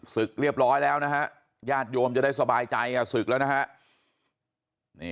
ศึกเรียบร้อยแล้วนะฮะญาติโยมจะได้สบายใจศึกแล้วนะฮะ